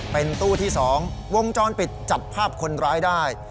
เป็นตู้ที่๒วงจรปิดจับภาพคนร้ายได้